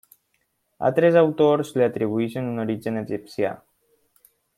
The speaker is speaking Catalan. Altres autors li atribueixen un origen egipcià.